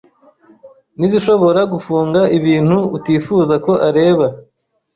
n’izishobora gufunga ibintu utifuza ko areba.